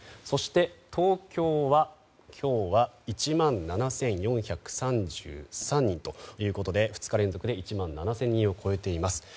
そして東京は、今日は１万７４３３人ということで２日連続で１万７０００人を超えています。